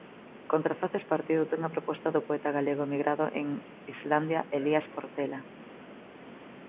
Contrafaces partiu dunha proposta do poeta galego emigrado en Islandia Elías Portela.